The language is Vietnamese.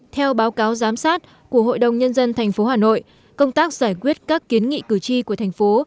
theo báo cáo giám sát của hội đồng nhân dân tp hà nội công tác giải quyết các kiến nghị cử tri của thành phố